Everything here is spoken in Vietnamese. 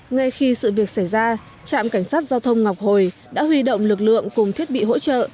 ngay khi sự việc xảy ra trạm cảnh sát giao thông ngọc hồi đã huy động lực lượng cùng thiết bị hỗ trợ